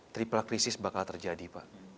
triple krisis bakal terjadi pak